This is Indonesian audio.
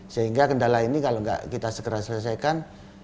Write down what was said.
sehingga kendala ini kalau tidak kita segera selesaikan